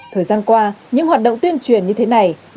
thời gian qua những hoạt động tuyên truyền như thế này